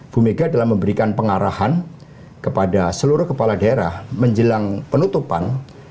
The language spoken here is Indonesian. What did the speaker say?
bu mega telah memberikan pengarahan kepada seluruh kepala daerah menjelang penutupan